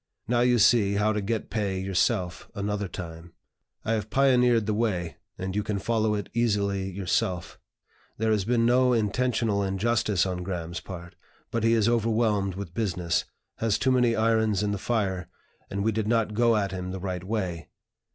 Now you see how to get pay yourself, another time; I have pioneered the way, and you can follow it easily yourself. There has been no intentional injustice on Graham's part; but he is overwhelmed with business, has too many irons in the fire, and we did not go at him the right way.